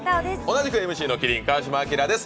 同じくＭＣの麒麟・川島明です。